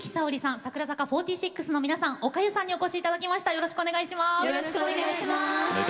櫻坂４６の皆さん、おかゆさんにお越しいただきました。